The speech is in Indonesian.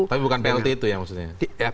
tapi bukan plt itu ya maksudnya